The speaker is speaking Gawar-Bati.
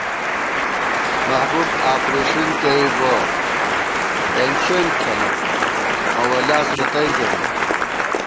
محبوب اپرېشین کېئ بہ پېن شېن تھنہ، مہ ولیاس رتئ ژَمېت